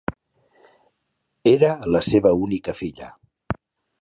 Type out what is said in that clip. Era la seva única filla.